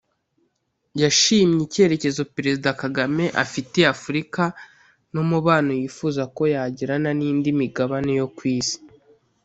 yashimye icyerekezo Perezida Kagame afitiye Afurika n’umubano yifuza ko yagirana n’indi migabane yo ku Isi